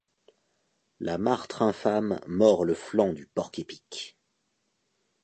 La martre infâme mord le flanc du porc-épic ;